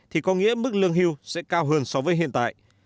thì có nghĩa mức lương hưu sẽ cao hơn so với hiện tại